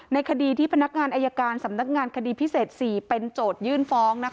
ในคดีที่พนักงานอายการสำนักงานคดีพิเศษ๔เป็นโจทยื่นฟ้อง